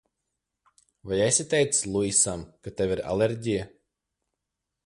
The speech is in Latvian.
Vai esi teicis Luisam, ka tev ir alerģija?